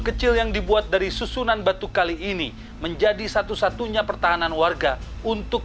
kecil yang dibuat dari susunan batu kali ini menjadi satu satunya pertahanan warga untuk